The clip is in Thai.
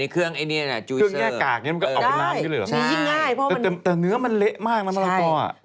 เครื่องแยกกากมันก็เอาไปน้ำกันเลยหรือเปล่าแต่เนื้อมันเละมากมันมันร้อยก่อน